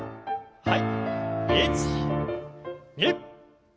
はい。